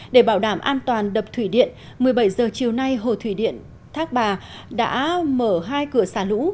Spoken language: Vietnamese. để bảo đảm an toàn đập thủy điện một mươi bảy h chiều nay hồ thủy điện thác bà đã mở hai cửa xả lũ